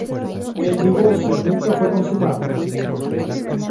El divorcio nunca fue consumado.